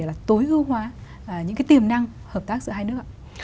để tối ưu hóa những tiềm năng hợp tác giữa hai nước